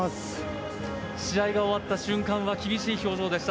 試合が終わった瞬間は厳しい表情でした。